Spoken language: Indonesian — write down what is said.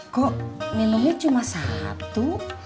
kok minumnya cuma satu